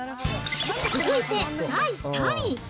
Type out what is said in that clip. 続いて第３位。